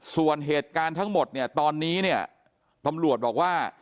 ส่วนเหตุการณ์ทั้งหมดเนี่ยตอนนี้เนี่ยตำรวจบอกว่า